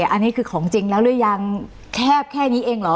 อันนี้คือของจริงแล้วหรือยังแคบแค่นี้เองเหรอ